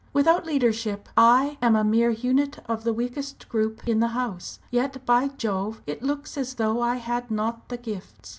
Without leadership, I am a mere unit of the weakest group in the House. Yet, by Jove! it looks as though I had not the gifts."